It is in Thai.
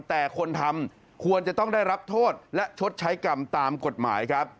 แต่คนทำควรจะต้องได้รับโทษและชดใช้กรรมตามกฎหมายครับ